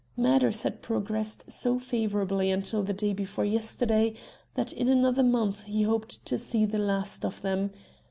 Matters had progressed so favourably until the day before yesterday, that in another month he hoped to see the last of them.